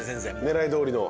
狙いどおりの。